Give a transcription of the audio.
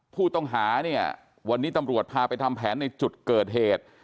ผู้ต้องหาเนี่ยวันนี้ตำรวจพาไปทำแผนในจุดเกิดเหตุ